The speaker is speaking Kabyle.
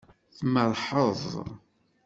Tmerrḥeḍ.